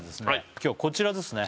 今日こちらですね